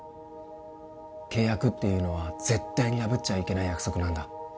契約っていうのは絶対に破っちゃいけない約束なんだ